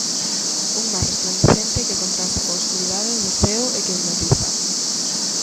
Un mar resplandecente que contrasta coa escuridade do ceo e que hipnotiza.